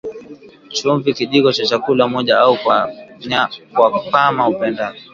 Chumvi Kijiko cha chakula moja au kwa kama upendavyo